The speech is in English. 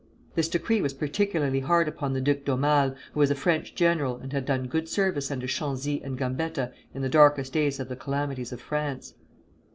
This decree was particularly hard upon the Duc d'Aumale, who was a French general, and had done good service under Chanzy and Gambetta in the darkest days of the calamities of France.